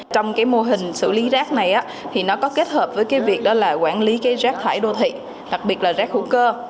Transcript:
trong cái mô hình xử lý rác này thì nó có kết hợp với cái việc đó là quản lý cái rác thải đô thị đặc biệt là rác hữu cơ